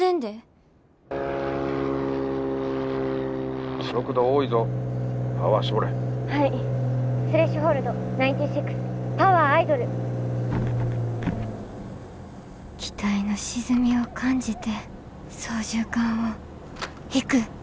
心の声機体の沈みを感じて操縦かんを引く。